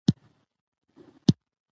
د لنډۍ توري غشی نه و.